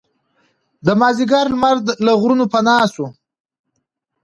د مازدیګر لمر له غرونو پناه شو.